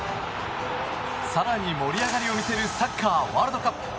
更に盛り上がりを見せるサッカーワールドカップ。